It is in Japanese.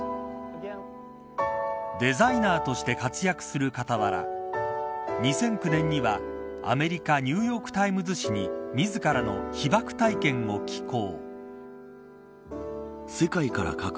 デザイナーとして活躍する傍ら２００９年にはアメリカニューヨーク・タイムズ紙に自らの被爆体験を寄稿。